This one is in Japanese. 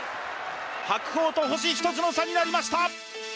白鵬と星一つの差になりました